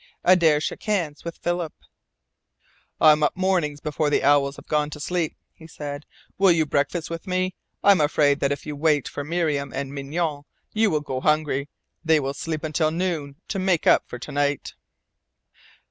Adare shook hands with Philip. "I'm up mornings before the owls have gone to sleep," he said. "Will you breakfast with me? I'm afraid that if you wait for Miriam and Mignonne you will go hungry. They will sleep until noon to make up for to night."